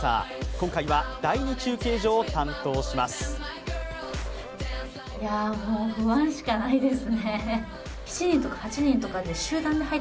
今回は第２中継所を担当します。